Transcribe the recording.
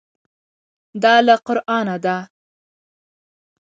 دا له قرانه ده.